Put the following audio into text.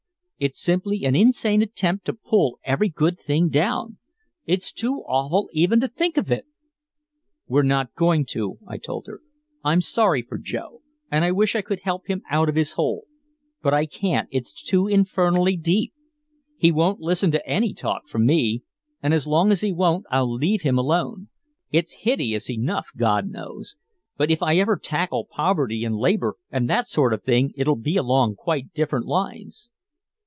It's simply an insane attempt to pull every good thing down! It's too awful even to think of!" "We're not going to," I told her. "I'm sorry for Joe and I wish I could help him out of his hole. But I can't it's too infernally deep. He won't listen to any talk from me and as long as he won't I'll leave him alone. It's hideous enough God knows. But if I ever tackle poverty and labor and that sort of thing it'll be along quite different lines."